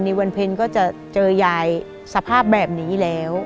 วันเพลงก็จะเจอยายสภาพแบบนี้แล้ว